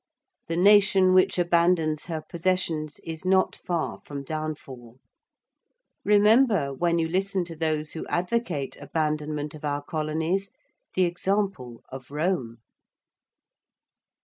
The nation which abandons her possessions is not far from downfall. Remember, when you listen to those who advocate abandonment of our colonies, the example of Rome.